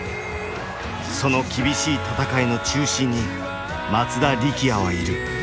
その厳しい戦いの中心に松田力也はいる。